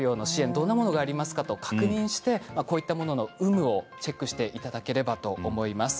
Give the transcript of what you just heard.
どんなものがありますか？と確認してこういったものの有無をチェックしていただければと思います。